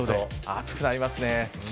暑くなりますね。